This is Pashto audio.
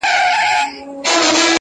ولي مي هره شېبه، هر ساعت په غم نیسې,